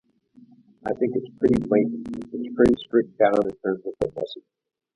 I think it's pretty blatant; it's pretty stripped down in terms of the message.